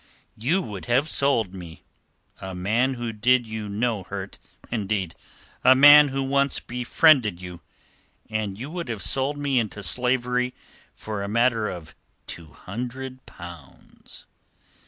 "You would have sold me, a man who did you no hurt, indeed a man who once befriended you—you would have sold me into slavery for a matter of two hundred pounds...."